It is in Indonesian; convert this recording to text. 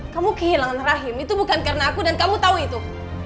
kamu kehilangan rahim itu bukan karena aku dan kamu tahu itu